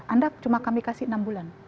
anda cuma kami kasih enam bulan